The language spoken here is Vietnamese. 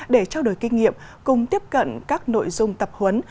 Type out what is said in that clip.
để trao đổi kinh nghiệm cùng tiếp cận các nội dung tập huấn